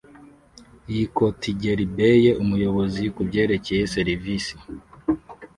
Yitokigelibeye umuyobozi kubyerekeye serivisi.